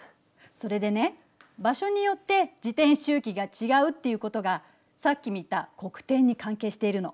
それでね場所によって自転周期が違うっていうことがさっき見た黒点に関係しているの。